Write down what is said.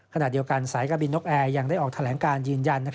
ขณะเดียวกันสายการบินนกแอร์ยังได้ออกแถลงการยืนยัน